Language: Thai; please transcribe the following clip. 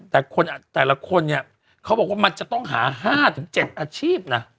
แต่คนแต่ละคนเนี่ยเขาบอกว่ามันจะต้องหา๕๗อาชีพนะ